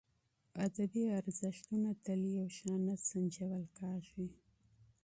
ادبي ارزښتونه تل یو شان نه سنجول کېږي.